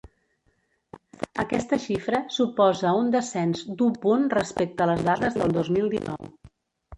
Aquesta xifra suposa un descens d’u punt respecte les dades del dos mil dinou.